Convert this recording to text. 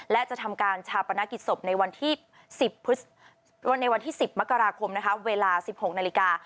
และจะทำการชาปณะกิจศพในวันที่๑๐มกราคมเวลา๑๖นาฬิกา